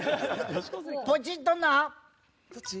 ポチッとな！